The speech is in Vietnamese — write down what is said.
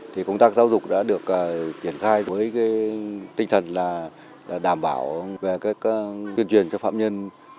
thì công tác giáo dục đã được triển khai với tinh thần là đảm bảo về tuyên truyền cho phạm nhân